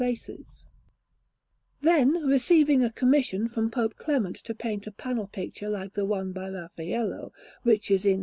Rome: The Vatican_) Anderson] Then, receiving a commission from Pope Clement to paint a panel picture like the one by Raffaello (which is in S.